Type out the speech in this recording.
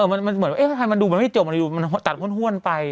อะเออมันเหมือนค่ะแหล่มันดูมันไม่จบ่แตะห้นไป